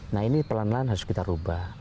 nah ini pelan pelan harus kita ubah